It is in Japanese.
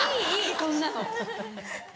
そんなの。